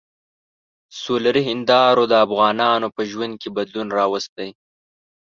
سولري هندارو د افغانانو په ژوند کې بدلون راوستی.